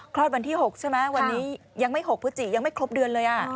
วันที่๖ใช่ไหมวันนี้ยังไม่๖พฤศจิยังไม่ครบเดือนเลย